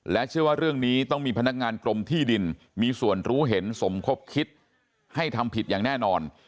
เชื่อว่าเรื่องนี้ต้องมีพนักงานกรมที่ดินมีส่วนรู้เห็นสมคบคิดให้ทำผิดอย่างแน่นอน